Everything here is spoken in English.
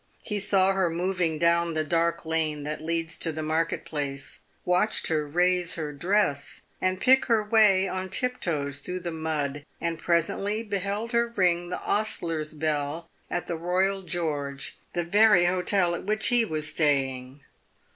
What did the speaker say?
He saw her moving down the dark lane that leads to the market place ; watched her raise her dress, and pick her way on tip toes through the mud, and presently beheld her ring the ostler's bell at the Royal George, the very hotel at which he was staying.